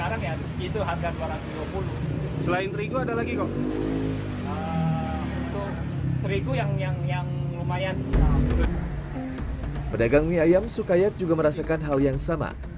terigu yang yang yang lumayan pedagang mie ayam sukayat juga merasakan hal yang sama